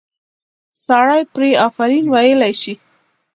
سړی پرې آفرین ویلی شي.